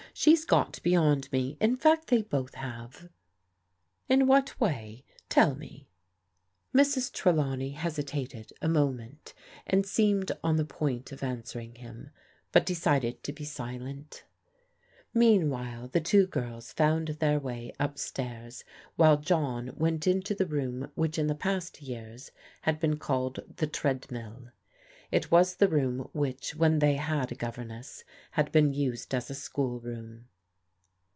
She's got beyond me. In fact they both have." " In what way ? Tell me." [ Mrs. Trelawney hesitated a moment, and seemed on \ the point of answering him, but decided to be silent Meanwhile the two girls found their way up stairs, while John went into the room which in past years had been called the "Treadmill." It was the room which, when they had a governess, had been used as a school room.